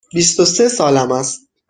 بیست و سه سالم است.